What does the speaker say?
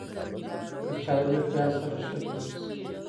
کچالو له پیاز سره ښه جوړ شي